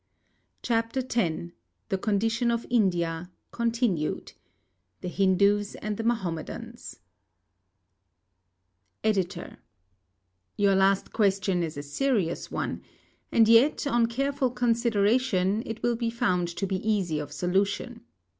CHAPTER X THE CONDITION OF INDIA (Continued) THE HINDUS AND THE MAHOMEDANS EDITOR: Your last question is a serious one; and yet, on careful consideration, it will be found to be easy of solution.